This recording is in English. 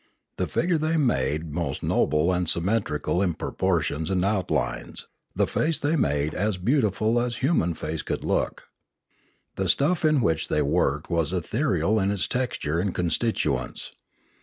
The figure they made most noble and symmetrical in proportions and outlines, the face they made as beautiful as human 424 Limanora face could look. The stuff in which they worked was ethereal in its texture and constituents.